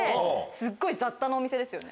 すっごい雑多なお店ですよね。